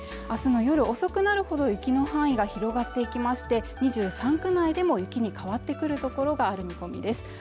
明日の夜遅くなるほど雪の範囲が広がっていきまして２３区内でも雪に変わってくるところがある見込みです